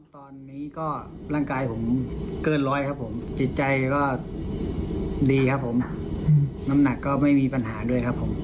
ตอนนี้ก็ร่างกายผมเกินร้อยครับผมจิตใจก็ดีครับผมน้ำหนักก็ไม่มีปัญหาด้วยครับผม